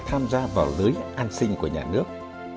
tham gia vào lưới an sinh của nhà nước